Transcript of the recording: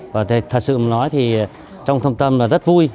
và thật sự mà nói thì trong thông tâm là rất vui